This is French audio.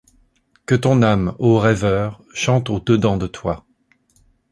Que ton âme, ô rêveur, chante au dedans de toi !